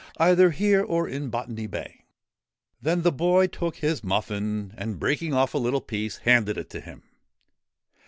' Either here or in Botany Bay !' Then the boy took his muffin, and, breaking off a little piece, handed it to him.